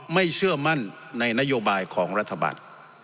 เชื่อมั่นในนโยบายของรัฐบาล